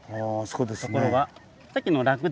そうです。